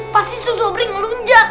pasti sobri ngelunjak